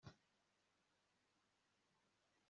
ubwo ngubwo pineyasi arahaguruka, arabahana